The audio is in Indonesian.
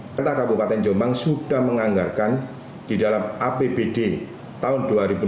pemerintah kabupaten jombang sudah menganggarkan di dalam apbd tahun dua ribu dua puluh